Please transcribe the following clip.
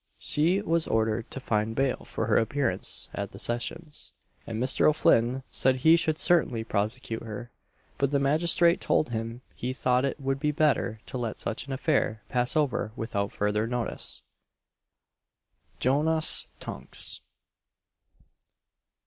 She was ordered to find bail for her appearance at the Sessions, and Mr. O'Flinn said he should certainly prosecute her; but the magistrate told him he thought it would be better to let such an affair pass over without further notice. JONAS TUNKS.